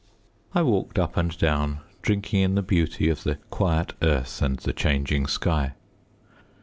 I walked up and down, drinking in the beauty of the quiet earth and the changing sky.